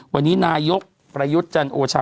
วันนี้นายกประยุทธจันทร์โอเช้า